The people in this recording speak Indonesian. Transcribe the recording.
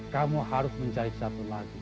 kamu harus mencari satu lagi